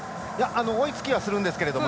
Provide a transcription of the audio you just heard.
追いつきはするんですが。